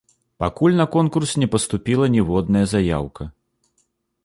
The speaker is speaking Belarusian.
Пакуль на конкурс не паступіла ніводная заяўка.